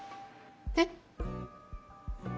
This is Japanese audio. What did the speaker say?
えっ？